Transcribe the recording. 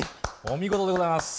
お見事でございます。